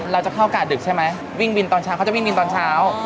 เราจะเข้ากาดดึกใช่ไหมวิ่งบินตอนเช้าเขาจะวิ่งบินตอนเช้า